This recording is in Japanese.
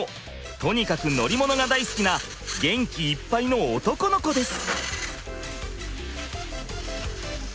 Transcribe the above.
とにかく乗り物が大好きな元気いっぱいの男の子です。